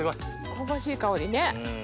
香ばしい香りね。